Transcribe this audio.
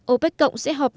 opec cộng sẽ họp